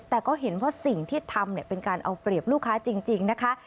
แต่ก็เห็นว่าสิ่งที่ทำเป็นการเอาเปรียบลูกค้าจริงนะคะ